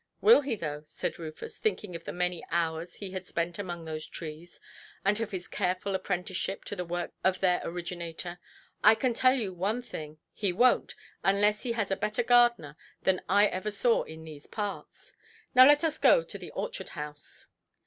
"Will he, though"? said Rufus, thinking of the many hours he had spent among those trees, and of his careful apprenticeship to the works of their originator; "I can tell you one thing. He wonʼt, unless he has a better gardener than I ever saw in these parts. Now let us go to the orchard–house".